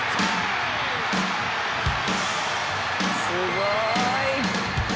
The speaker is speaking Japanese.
すごーい！